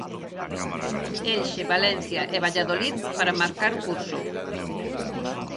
Elxe, Valencia e Valladolid para marcar o curso.